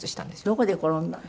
どこで転んだの？